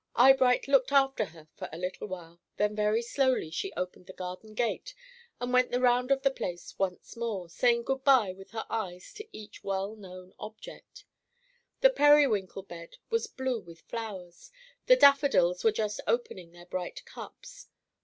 Eyebright looked after her for a little while, then very slowly she opened the garden gate, and went the round of the place once more, saying good by with her eyes to each well known object. The periwinkle bed was blue with flowers, the daffodils were just opening their bright cups.